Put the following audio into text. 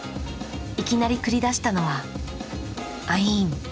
いきなり繰り出したのはアイーン。